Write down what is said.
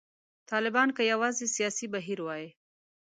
طالبان که یوازې سیاسي بهیر وای.